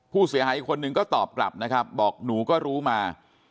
ผู้เสียหายอีกคนนึงก็ตอบกลับนะครับบอกหนูก็รู้มา